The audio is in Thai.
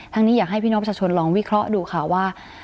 นี้อยากให้พี่น้องประชาชนลองวิเคราะห์ดูค่ะว่า